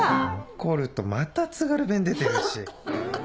怒るとまた津軽弁出てるし。